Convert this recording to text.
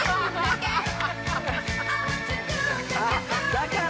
だから！